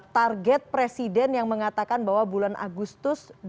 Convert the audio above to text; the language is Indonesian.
target presiden yang mengatakan bahwa bulan agustus